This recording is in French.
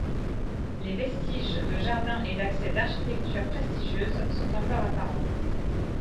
Les vestiges de jardin et d'accès d'architecture prestigieuse sont encore apparents.